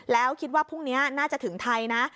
แล้วคิดว่าพรุ่งนี้น่าจะถึงไทยนะ